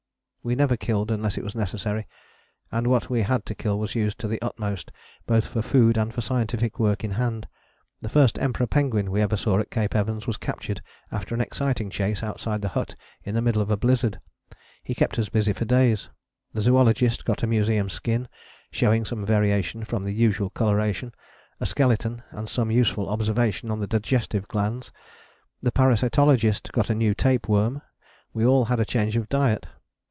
We never killed unless it was necessary, and what we had to kill was used to the utmost both for food and for the scientific work in hand. The first Emperor penguin we ever saw at Cape Evans was captured after an exciting chase outside the hut in the middle of a blizzard. He kept us busy for days: the zoologist got a museum skin, showing some variation from the usual coloration, a skeleton, and some useful observation on the digestive glands: the parasitologist got a new tape worm: we all had a change of diet.